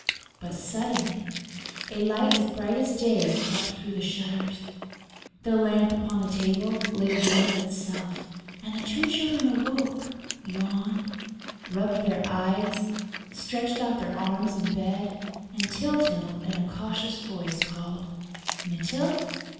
But suddenly a light as bright as day crept through the shutters, the lamp upon the table lit again of itself and the two Children awoke, yawned, rubbed their eyes, stretched out their arms in bed and Tyltyl, in a cautious voice called: "Mytyl?"